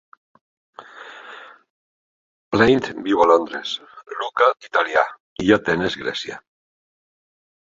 Plante viu a Londres; Lucca, Itàlia, i Atenes, Grècia.